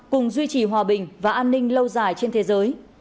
cùng duy trì hòa bình và an ninh lâu dài trên thế giới